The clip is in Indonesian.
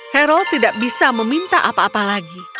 hero tidak bisa meminta apa apa lagi